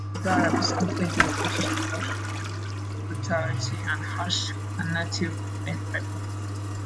The Arabs complained to the British about Wingate's brutality and harsh punitive methods.